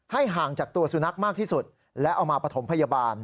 ห่างจากตัวสุนัขมากที่สุดและเอามาปฐมพยาบาล